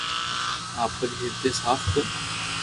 آپري ھردي صاف ڪر